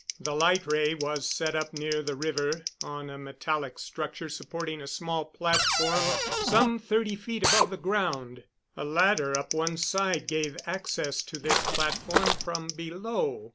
The light ray was set up near the river, on a metallic structure supporting a small platform some thirty feet above the ground. A ladder up one side gave access to this platform from below.